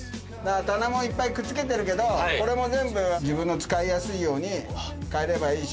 棚もいっぱいくっつけてるけどこれも全部自分の使いやすいように変えればいいし。